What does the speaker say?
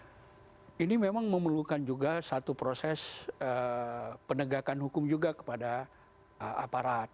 jadi memang memerlukan juga satu proses penegakan hukum juga kepada aparat